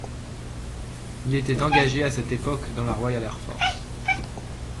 Il était engagé à cette époque dans la Royal Air Force.